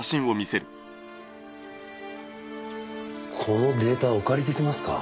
このデータお借り出来ますか？